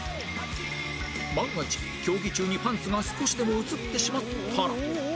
万が一競技中にパンツが少しでも映ってしまったら